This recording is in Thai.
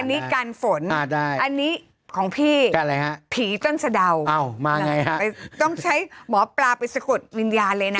อันนี้กันฝนอันนี้ของพี่ผีต้นสะดาวมาไงฮะต้องใช้หมอปลาไปสะกดวิญญาณเลยนะ